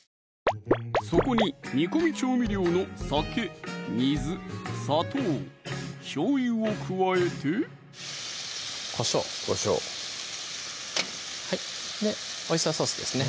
そこに煮込み調味料の酒・水・砂糖・しょうゆを加えてこしょうこしょうオイスターソースですね